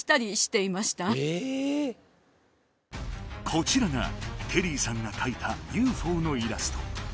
こちらがテリーさんが描いたＵＦＯのイラスト